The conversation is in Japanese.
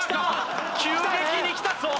急激にきたぞ！